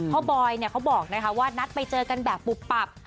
บอยเขาบอกนะคะว่านัดไปเจอกันแบบปุบปับ